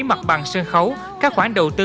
mặt bằng sân khấu các khoản đầu tư